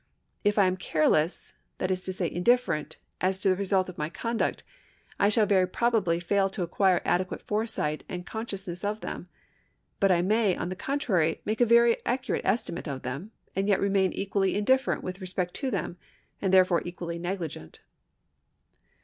If I am careless, that is to say indifferent, as to the results of my conduct, I shall very probably fail to acquire adequate foresight and con sciousness of them ; but I may, on the contrary, make a very accurate estimate of them, and yet remain equally indifferent with respect to them, and therefore equally negligent.